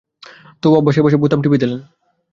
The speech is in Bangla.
তবু অভ্যাসের বসে বোতাম টিপে দিলেন।